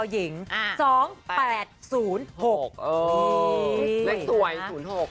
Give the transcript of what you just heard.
เลขสวย๐๖ค่ะ